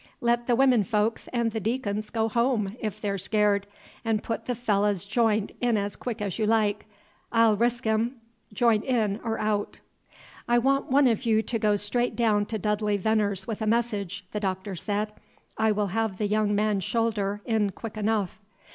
"Let the women folks and the deacons go home, if they're scared, and put the fellah's j'int in as quick as you like. I 'll resk him, j'int in or out." "I want one of you to go straight down to Dudley Venner's with a message," the Doctor said. "I will have the young man's shoulder in quick enough."